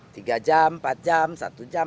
tiga jam empat jam satu jam